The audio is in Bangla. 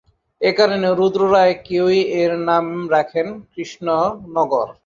একারণে, রুদ্র রায় রেউই-এর নাম রাখেন কৃষ্ণনগর।